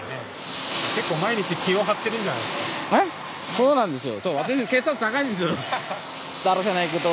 そうなんですよ。